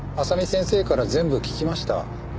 麻美先生から全部聞きました。